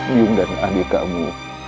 mium dan adik kamu